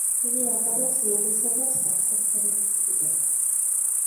তিনি একাদশ লোকসভার সংসদ সদস্য ছিলেন।